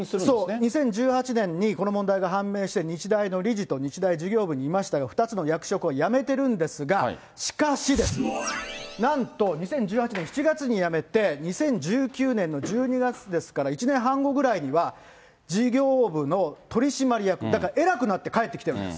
２０１８年にこの問題が判明して、日大の理事と日大事業部にいましたよ、２つの役職を辞めてるんですが、しかしです、なんと２０１８年７月に辞めて、２０１９年の１２月ですから、１年半後ぐらいには事業部の取締役、だから偉くなって帰ってきてるんです。